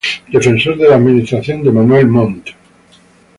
Defensor de la administración de Manuel Montt.